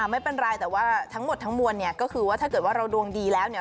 ไม่เป็นไรแต่ว่าทั้งหมดทั้งมวลเนี่ยก็คือว่าถ้าเกิดว่าเราดวงดีแล้วเนี่ย